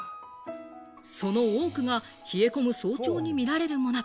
その多くが冷え込む早朝に見られるもの。